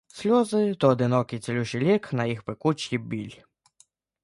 Сльози — то одинокий цілющий лік на їх пекучий біль.